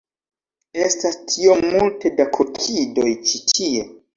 Estas tiom multe da kokidoj ĉi tie